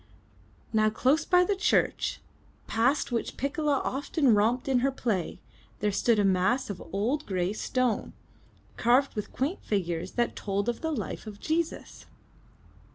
Now close by the church, past which Piccola often romped in her play, there stood a mass of old gray stone, carved with qaint figures that told of the life of Jesus.